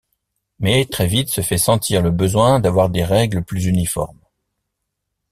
Mais très vite, se fait sentir le besoin d'avoir des règles plus uniformes.